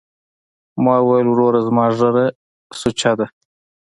ما وويل وروره زما ږيره سوچه ده.